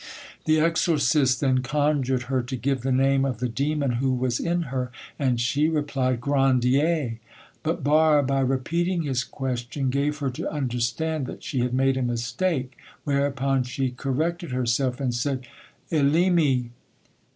The exorcist then conjured her to give the name of the demon who was in her, and she replied— "Grandier." But Barre by repeating his question gave her to understand that she had made a mistake, whereupon she corrected herself and said— "Elimi."